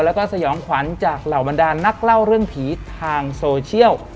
แล้วก็สยองขวัญจากเหล่าบรรดานนักเล่าเรื่องผีทางโซเชียล